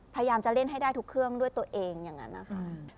พยายามจะเล่นให้ได้ทุกเครื่องด้วยตัวเองอย่างนั้นนะคะ